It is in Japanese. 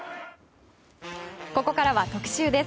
ここからは特集です。